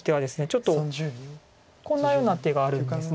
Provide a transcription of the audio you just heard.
ちょっとこんなような手があるんです。